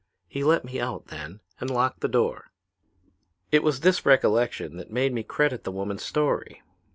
He let me out then and locked the door. "It was this recollection that made me credit the woman's story.